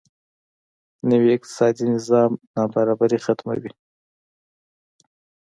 نوی اقتصادي نظام نابرابري ختموي.